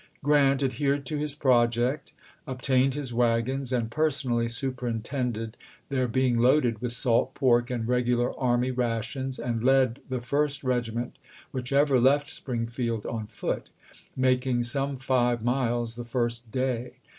Grant adhered to his project, obtained his wagons, and personally superintended their being loaded with salt pork and regular army rations, and led the first regiment which ever left Springfield on foot, making some five miles the first day.